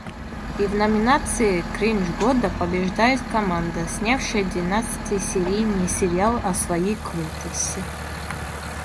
И в номинации "Кринж года" побеждает команда, снявшая двенадцатисерийный сериал о своей крутости.